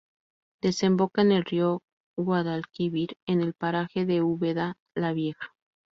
Desemboca en el río Guadalquivir, en el paraje de Úbeda la Vieja.